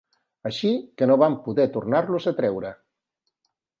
Així que no van poder tornar-los a treure.